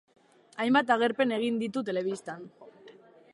Hainbat agerpen egin ditu telebistan.